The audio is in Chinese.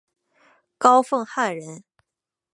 高凤翰人。